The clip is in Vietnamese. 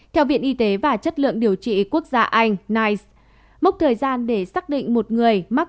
theo viện y tế và chất lượng điều trị quốc gia anh nige mốc thời gian để xác định một người mắc